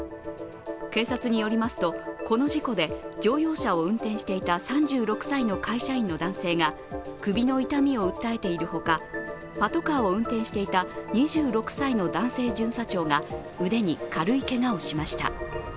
警察によりますとこの事故で乗用車を運転していた３６歳の会社員の男性が首の痛みを訴えているほか、パトカーを運転していた２６歳の男性巡査長が腕に軽いけがをしました。